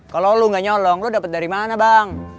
kalau lu gak nyolong lu dapet dari mana bang